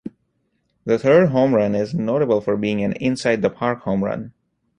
The third home run is notable for being an inside-the-park home run.